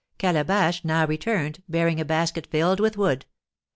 Calabash now returned, bearing a basket filled with wood.